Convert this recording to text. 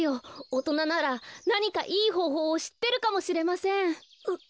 おとなならなにかいいほうほうをしってるかもしれません。